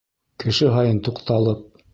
Кеше һайын туҡталып